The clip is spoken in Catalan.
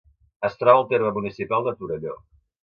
Es troba al terme municipal de Torelló.